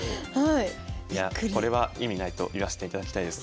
いやこれは意味ないと言わせていただきたいです。